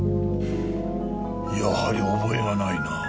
やはり覚えがないな。